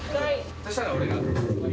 そうしたら俺が。